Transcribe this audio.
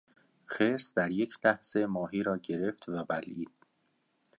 خرس در یک لحظه ماهی را گرفت و بلعید.